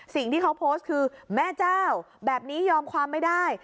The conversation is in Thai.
สิ่งที่เขาโพสต์คือแม่เจ้าแบบนี้ยอมความไม่ได้